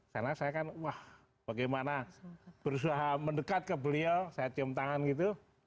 karena saya kan wah bagaimana berusaha mendekat ke beliau saya cium tangan gitu